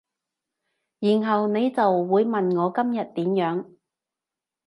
然後你就會問我今日點樣